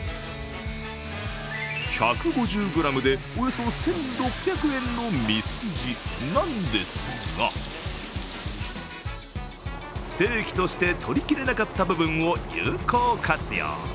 １５０ｇでおよそ１６００円のみすじなんですが、ステーキとして取りきれなかった部分を有効活用。